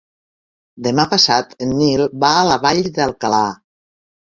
Demà passat en Nil va a la Vall d'Alcalà.